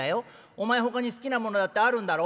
お前ほかに好きなものだってあるんだろ？」。